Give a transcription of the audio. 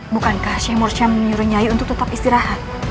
bukankah syemur syem nyuruh nyai untuk tetap istirahat